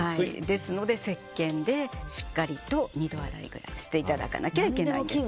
ですのでせっけんでしっかりと二度洗いしていただかないといけないんです。